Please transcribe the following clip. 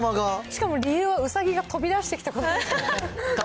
しかも理由がウサギが飛び出してきたことによる。